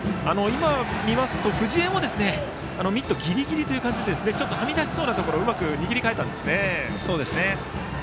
見ますと、藤江もミットぎりぎりという感じでちょっとはみ出しそうなところうまく握り直しました。